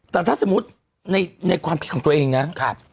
แต่ถ้าสมมุติในความคิดของตัวเองนะ